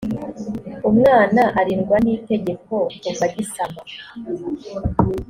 umwana arindwa n’itegeko kuva agisamwa